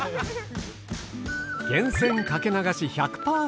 源泉掛け流し１００％。